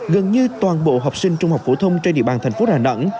gần như toàn bộ học sinh trung học phổ thông trên địa bàn thành phố đà nẵng